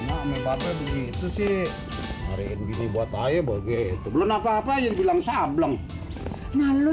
makmum pada begitu sih hari ini buat saya begitu belum apa apa yang bilang sablung lalu